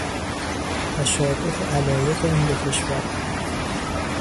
تشابه علایق این دو کشور